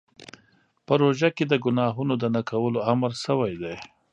په روژه کې د ګناهونو د نه کولو امر شوی دی.